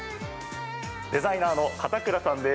デザイナーの片倉さんです。